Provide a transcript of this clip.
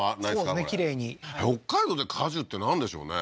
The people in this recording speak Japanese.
これ北海道で果樹ってなんでしょうね？